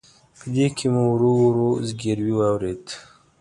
په دې کې مې ورو ورو زګیروي واورېد.